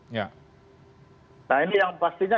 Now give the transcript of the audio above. nah ini yang pastinya